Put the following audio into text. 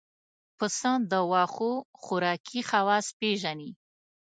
پسه د واښو خوراکي خواص پېژني.